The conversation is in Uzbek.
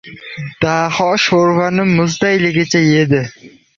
Daho sho‘rvani muzdayligicha yedi.